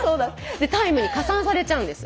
でタイムに加算されちゃうんです。